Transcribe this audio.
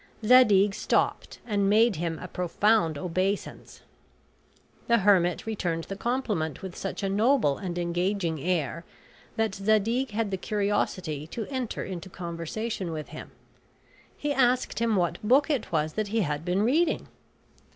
Zadig stopped, and made him a profound obeisance. The hermit returned the compliment with such a noble and engaging air, that Zadig had the curiosity to enter into conversation with him. He asked him what book it was that he had been reading?